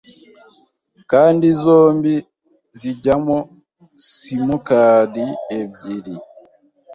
kandi zombi zijyamo simukadi ebyiri